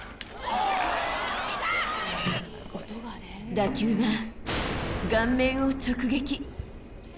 打球が顔面を直撃。